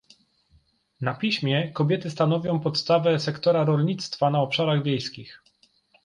na piśmie - Kobiety stanowią podstawę sektora rolnictwa na obszarach wiejskich